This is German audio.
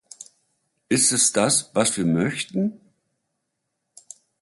Ist es das, was wir möchten?